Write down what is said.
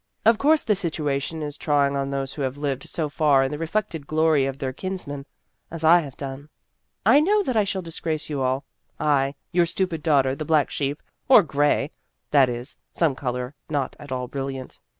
Of course, the situation is trying on those who have lived so far in the reflected glory of their kins men, as I have done. I know that I shall disgrace you all I, your stupid daughter, the black sheep, or gray, that is, some color not at all brilliant.